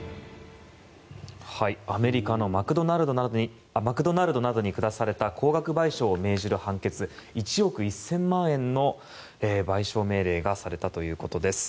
アメリカのマクドナルドなどに下された高額賠償を命じる判決１億１０００万円の賠償命令がされたということです。